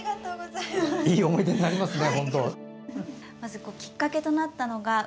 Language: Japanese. いい思い出になりますね。